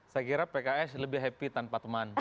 saya kira pks lebih happy tanpa teman